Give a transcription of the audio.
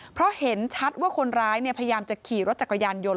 เพราะเห็นชัดว่าคนร้ายพยายามจะขี่รถจักรยานยนต์